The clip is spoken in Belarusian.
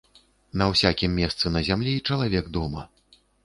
На ўсякім месцы на зямлі чалавек дома.